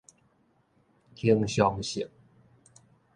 恆常性